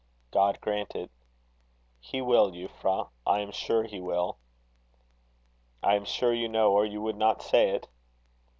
"God grant it." "He will, Euphra. I am sure he will." "I am sure you know, or you would not say it."